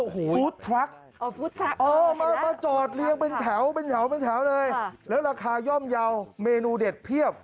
ฟู้ดทรัคมาจอดเลี้ยงเป็นแถวเลยแล้วราคาย่อมเยาว์เมนูเด็ดเพียบ